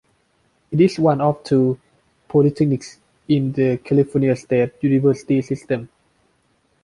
It is one of two polytechnics in the California State University system.